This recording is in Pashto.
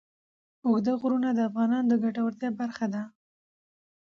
اوږده غرونه د افغانانو د ګټورتیا برخه ده.